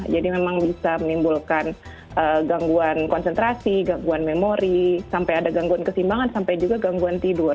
jadi memang bisa menimbulkan gangguan konsentrasi gangguan memori sampai ada gangguan kesimbangan sampai juga gangguan tidur